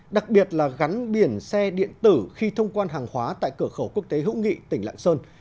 đặc biệt là gắn biển xe điện tử khi thông quan hàng hóa tại cửa khẩu quốc tế hữu nghị tỉnh lạng sơn